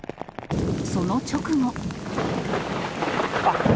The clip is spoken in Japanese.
その直後。